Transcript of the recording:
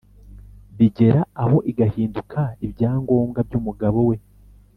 bigera aho igahinduka ibyangombwa by' umugabo we ??"...